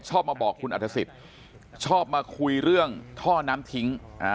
ชอบมาบอกคุณอรรถสิทธิ์ชอบมาคุยเรื่องท่อน้ำถิง